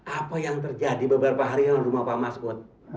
apa yang terjadi beberapa hari di rumah pak mas pak